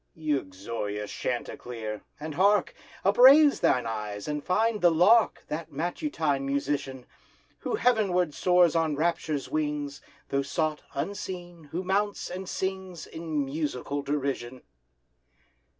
Uxorious Chanticleer! and hark! Upraise thine eyes, and find the lark, That matutine musician, Who heavenward soars on rapture's wings, Though sought, unseen, who mounts, and sings In musical derision.